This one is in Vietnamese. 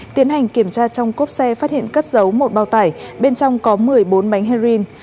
tiến hành kiểm tra trong cốp xe phát hiện cất giấu một bao tải bên trong có một mươi bốn bánh heroin